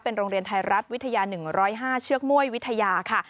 โรงเรียนไทยรัฐวิทยา๑๐๕เชือกม่วยวิทยาค่ะ